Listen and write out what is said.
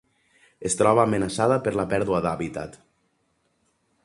Es troba amenaçada per la pèrdua d'hàbitat.